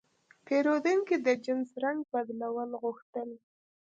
پیرودونکی د جنس رنګ بدلول غوښتل.